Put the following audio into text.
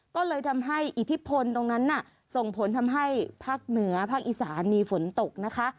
ก็เลยทำให้อิทธิพลตรงนั้นน่ะส่งผลทำให้ภาคเหนือภาคอีสานมีฝนตกนะคะ